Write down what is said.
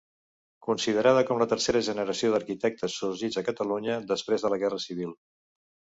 Considerada com la tercera generació d'arquitectes sorgits a Catalunya després de la guerra civil.